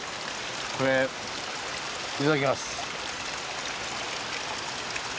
これいただきます。